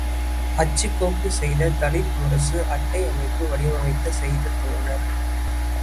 அச்சுக் கோப்புச் செய்த தலித் முரசு, அட்டை அமைப்பு வடிவமைத்த செய்த தோழர்.